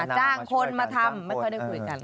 จ้างคนมาทำไม่ค่อยได้คุยกัน